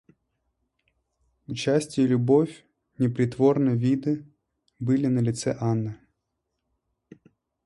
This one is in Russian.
Участие и любовь непритворные видны были на лице Анны.